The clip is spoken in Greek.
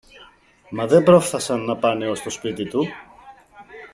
Μα δεν πρόφθασαν να πάνε ως το σπίτι του